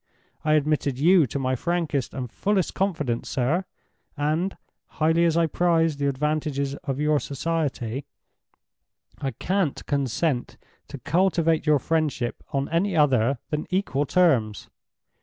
I admitted you to my frankest and fullest confidence, sir—and, highly as I prize the advantages of your society, I can't consent to cultivate your friendship on any other than equal terms."